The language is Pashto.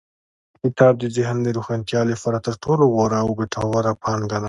کتاب د ذهن د روښانتیا لپاره تر ټولو غوره او ګټوره پانګه ده.